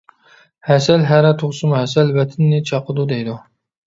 ھەسەل ھەرە تۇغسىمۇ ھەسەل، ۋەتىنىنى چاقىدۇ دەيدۇ.